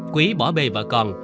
quý bỏ bê vợ con